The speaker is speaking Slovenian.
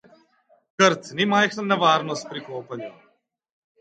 Krt ni majhna nevarnost pri kopanju.